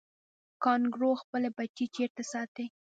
کانګارو خپل بچی چیرته ساتي؟